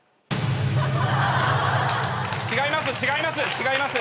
違います